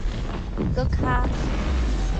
閣較